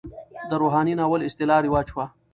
د روحاني ناول اصطلاح رواج شوه.